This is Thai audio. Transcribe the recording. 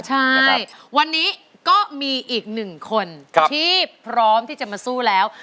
ใช่วันนี้ก็มีอีกหนึ่งคนที่พร้อมที่จะมาสู้แล้ว